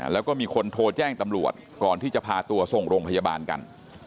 แล้วก็มีคนโทรแจ้งตำรวจก่อนที่จะพาตัวส่งโรงพยาบาลกัน